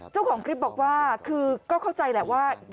เจ้าของคลิปบอกว่าคือก็เข้าใจแหละว่า